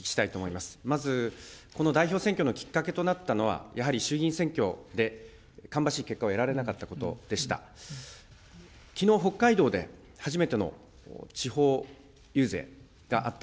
まず、この代表選挙のきっかけとなったのは、やはり衆議院選挙でかんばしい結果を得られなかったことでした。